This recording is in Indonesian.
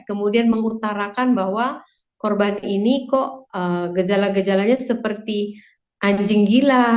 kemudian mengutarakan bahwa korban ini kok gejala gejalanya seperti anjing gila